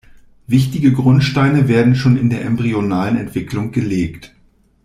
Wichtige Grundsteine werden schon in der embryonalen Entwicklung gelegt.